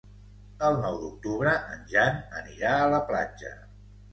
El nou d'octubre en Jan anirà a la platja.